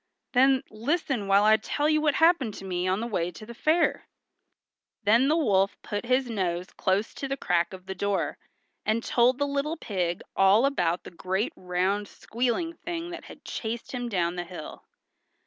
"Then, listen while I tell you what happened to me on the way to the fair." Then the wolf put his nose close to the crack of the door, and told the little pig all about the great round squealing thing that had chased him down the hill.